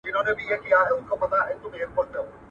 ویل خدایه څه ښکرونه لرم ښکلي !.